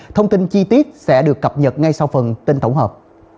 thông tin chi tiết sẽ được cập nhật ngay sau phần tin tổng hợp